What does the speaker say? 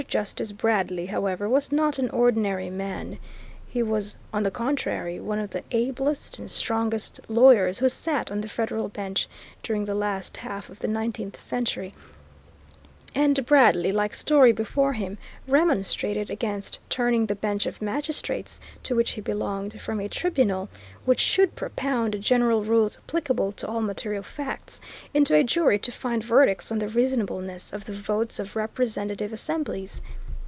Justice Bradley, however, was not an ordinary man. He was, on the contrary, one of the ablest and strongest lawyers who sat on the federal bench during the last half of the nineteenth century; and Bradley, like Story before him, remonstrated against turning the bench of magistrates, to which he belonged, from a tribunal which should propound general rules applicable to all material facts, into a jury to find verdicts on the reasonableness of the votes of representative assemblies.